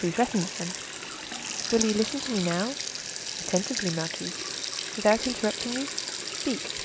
"Who threatens them?" "Will you listen to me now?" "Attentively, marquise." "Without interrupting me?" "Speak."